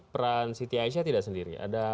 peran city asia tidak sendiri ada